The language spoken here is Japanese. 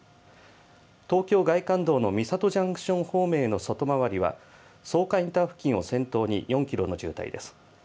東京外環道の三郷ジャンクション方面への外回りは、草加インター付近を先頭に４キロの渋滞です。